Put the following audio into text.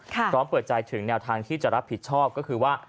พร้อมเปิดใจถึงแนวทางที่จะรับผิดชอบก็คือว่า